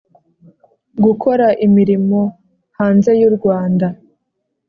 gukora imirimo hanze y u Rwanda